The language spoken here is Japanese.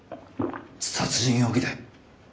殺人容疑で。